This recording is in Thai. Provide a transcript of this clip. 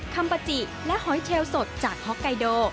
คำปาจิและหอยเชลสดจากฮอกไกโด